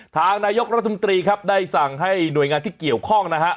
ทางนายกรัฐมนตรีครับได้สั่งให้หน่วยงานที่เกี่ยวข้องนะฮะ